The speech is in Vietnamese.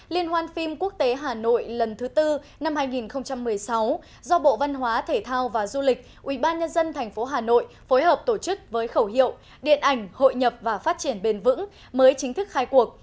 liên hoan phim quốc tế hà nội lần thứ tư năm hai nghìn một mươi sáu do bộ văn hóa thể thao và du lịch ubnd tp hà nội phối hợp tổ chức với khẩu hiệu điện ảnh hội nhập và phát triển bền vững mới chính thức khai cuộc